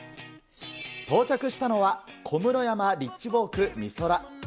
到着したのは、小室山リッジウォークミソラ。